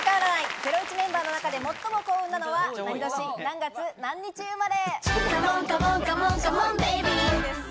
『ゼロイチ』メンバーの中で最も幸運なのは何年、何月、何日生まれ？